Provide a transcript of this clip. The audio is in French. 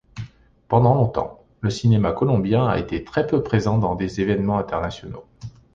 Pendant longtemps, le cinéma colombien a été très peu présent dans des événements internationaux.